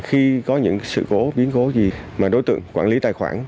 khi có những sự cố biến cố gì mà đối tượng quản lý tài khoản